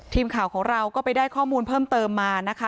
ทีมข่าวของเราก็ไปได้ข้อมูลเพิ่มเติมมานะคะ